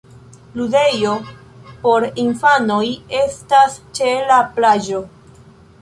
Ludejo por infanoj estas ĉe la plaĝo.